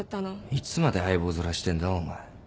いつまで相棒面してんだお前。